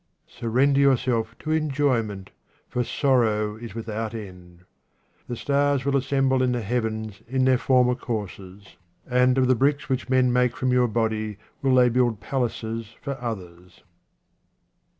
Surrender yourself to enjoyment, for sorrow is without end. The stars will assemble in the heavens in their former courses, and of the *3 QUATRAINS OF OMAR KHAYYAM bricks which men make from your body will they build palaces for others.